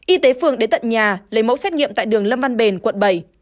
y tế phường đến tận nhà lấy mẫu xét nghiệm tại đường lâm văn bền quận bảy